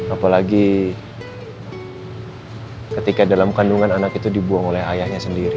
apalagi ketika dalam kandungan anak itu dibuang oleh ayahnya sendiri